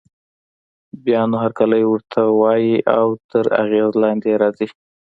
بيا نو هرکلی ورته وايي او تر اغېز لاندې يې راځي.